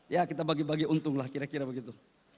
ya kita bagi bagi untung lah kira kira begitu